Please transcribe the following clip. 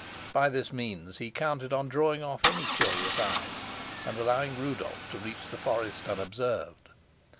By this means he counted on drawing off any curious eyes and allowing Rudolf to reach the forest unobserved.